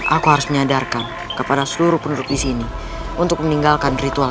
aku harus menyadarkan kepada seluruh penduduk di sini untuk meninggalkan ritual